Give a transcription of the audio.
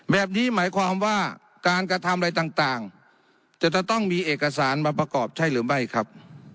แบบนี้หมายความว่าการกระทำอะไรต่างจะต้องมีเอกสารมาประกอบใช่หรือไม่ครับ